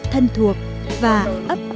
thân thuộc và ấp ẩn